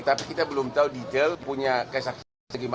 tapi kita belum tahu detail punya kesaksiannya